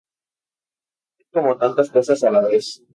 Es como tantas cosas a la vez.